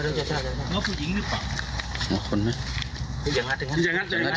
อยล์แรงเหล็กอยากเศร้าหรือแนวเอาวล่ะ